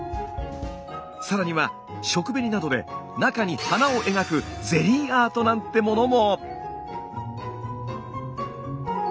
さらには食紅などで中に花を描くゼリーアートなんてものも。